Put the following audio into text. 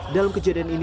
dalam kejadian ini